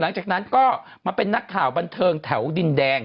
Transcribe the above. หลังจากนั้นก็มาเป็นนักข่าวบันเทิงแถวดินแดง